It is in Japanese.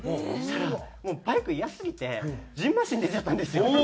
そしたらもうバイクイヤすぎてじんましん出ちゃったんですよ。